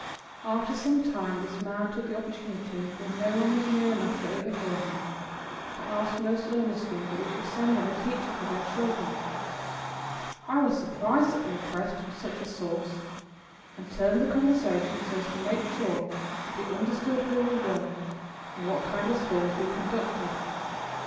After some time, this man took the opportunity, when no one was near enough to overhear him, to ask most earnestly that we should send them a teacher for their children. I was surprised at the request from such a source and turned the conversation so as to make sure that he understood who we were and what kind of schools we conducted.